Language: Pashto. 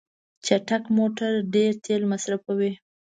چټک موټر ډیر تېل مصرفوي.